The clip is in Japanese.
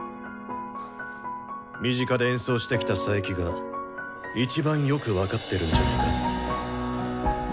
身近で演奏してきた佐伯がいちばんよく分かってるんじゃないか？